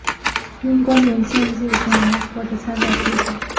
因公平竞技奖而获得参赛资格。